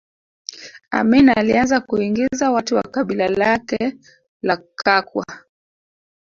Amin alianza kuingiza watu wa kabila lake la Kakwa